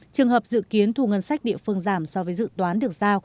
trường hợp dự kiến thu ngân sách địa phương giảm so với dự toán được giao